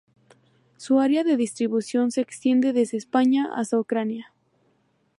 Su área de distribución se extiende desde España hasta Ucrania.